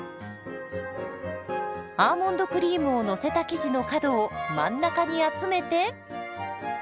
アーモンドクリームをのせた生地の角を真ん中に集めて。